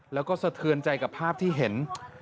แล้วก็สะเทือนใจกับภาพที่เห็น